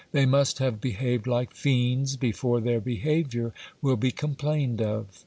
They must have behaved like fiends, before their behaviour will be complained of.